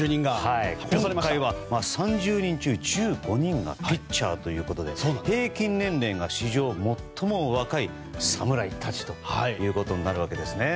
今回は３０人中１５人がピッチャーということで平均年齢が史上最も若い侍たちとなるんですね。